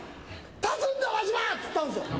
立つんだ輪島！」つったんですよ。